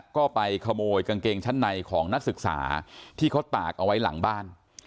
ก็ไปขโมยกางเกงชั้นในของนักศึกษาที่เขาตากเอาไว้หลังบ้าน